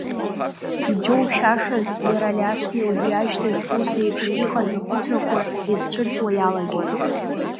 Иџьоушьашаз, иара Алиасгьы убри ашьҭахь ус еиԥш иҟаз ахәыцрақәа изцәырҵуа иалагеит.